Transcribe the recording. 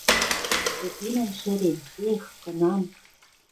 Попенӓм шӹрен; «Эх, кынам